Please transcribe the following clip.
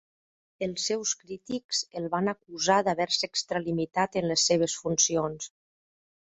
Els seus crítics el van acusar d'haver-se extralimitat en les seves funcions.